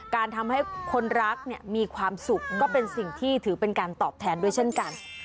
ทำให้คนรักเนี่ยมีความสุขก็เป็นสิ่งที่ถือเป็นการตอบแทนด้วยเช่นกัน